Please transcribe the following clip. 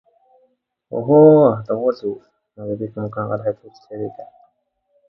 Author August Bondeson was born in the village.